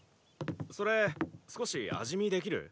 それ少し味見できる？